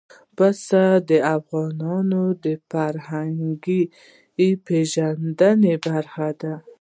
پسه د افغانانو د فرهنګي پیژندنې برخه ده.